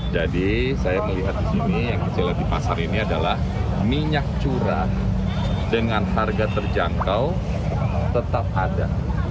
jadi saya melihat di sini yang kecil di pasar ini adalah minyak curah dengan harga terjangkau tetap ada